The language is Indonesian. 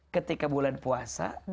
ketika bulan puasa